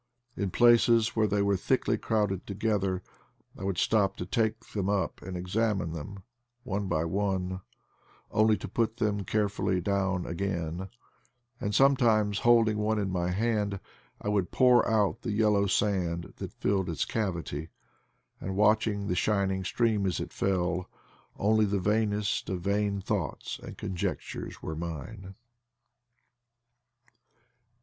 In places where they were thickly crowded together, I would stop to take them up and examine them, one by one, only to put them carefully down again ; and sometimes holding one in my hand, I would pour out the yellow sand that filled its cavity; and watching the shining stream as it fell, only the vainest of vain thoughts and conjectures were mine.